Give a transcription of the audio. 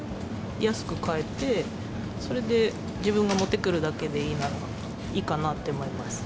安く買えて、それで自分が持ってくるだけでいいなら、いいかなって思います。